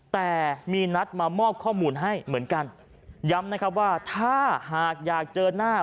แต่มีนัดมามอบข้อมูลให้เหมือนกันย้ำนะครับว่าถ้าหากอยากเจอหน้า